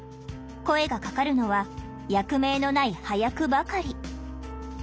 声がかかるのは役名のない端役ばかり。